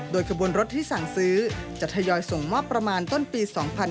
โดยขบวนรถที่สั่งซื้อจะทยอยส่งมอบประมาณต้นปี๒๕๕๙